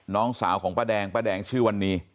น้องสาวของป้าแดงป้าแดงชื่อวันนี้